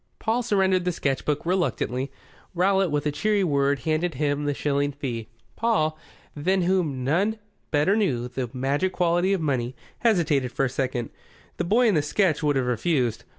Paul surrendered the sketch book reluctantly. Rowlatt, with a cheery word, handed him the shilling fee. Paul, than whom none better knew the magic quality of money, hesitated for a second. The boy in the sketch would have refused.